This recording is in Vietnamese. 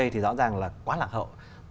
thì rõ ràng là quá lạc hậu